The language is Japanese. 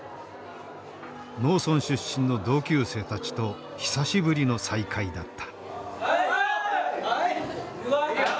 農村出身の同級生たちと久しぶりの再会だった。